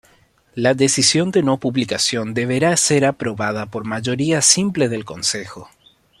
La decisión de no publicación deberá ser aprobada por mayoría simple del Consejo.